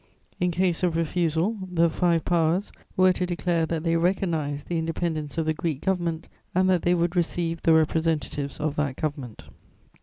In case of refusal, the five Powers were to declare that they recognised the independence of the Greek Government and that they would receive the representatives of that Government.